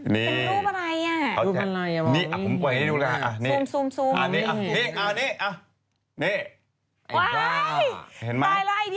เป็นรูปอะไร